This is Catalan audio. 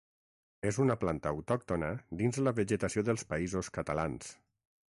És una planta autòctona dins la vegetació dels Països Catalans.